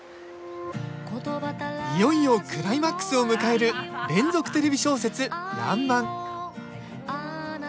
いよいよクライマックスを迎える連続テレビ小説「らんまん」。